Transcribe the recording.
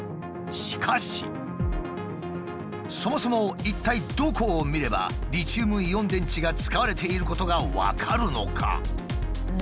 しかしそもそも一体どこを見ればリチウムイオン電池が使われていることが分かるのか？